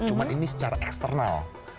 cuma ini secara eksternal